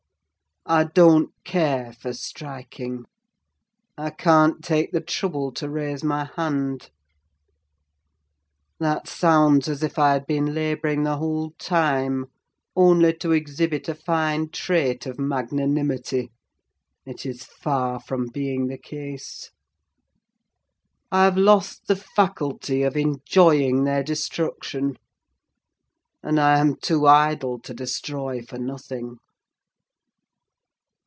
I don't care for striking: I can't take the trouble to raise my hand! That sounds as if I had been labouring the whole time only to exhibit a fine trait of magnanimity. It is far from being the case: I have lost the faculty of enjoying their destruction, and I am too idle to destroy for nothing.